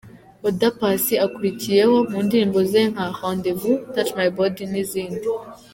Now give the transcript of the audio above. Oda Paccy akurikiyeho mu ndirimbo ze nka ’Rendez Vous’, ’Touch my body’ n’izindi.